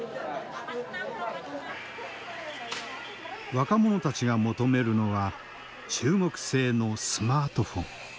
若者たちが求めるのは中国製のスマートフォン。